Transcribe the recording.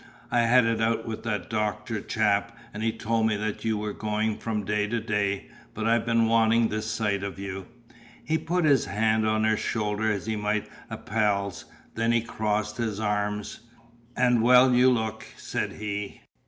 I had it out with that doctor chap and he told me how you were going from day to day, but I've been wanting the sight of you." He put his hand on her shoulder as he might on a pal's, then he crossed his arms. "And well you look," said he.